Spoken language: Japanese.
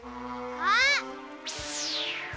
あっ！